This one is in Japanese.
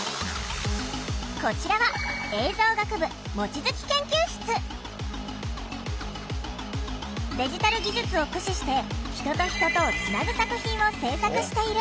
こちらはデジタル技術を駆使して人と人とをつなぐ作品を製作している。